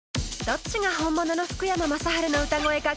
どっちが本物の福山雅治の歌声か